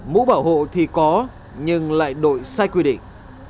mũ bảo hộ thì có nhưng lại đội sai quy định